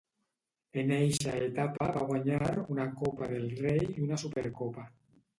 En eixa etapa va guanyar una Copa del Rei i una Supercopa.